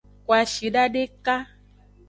Kwashida deka.